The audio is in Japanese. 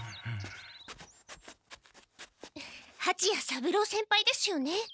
はちや三郎先輩ですよね？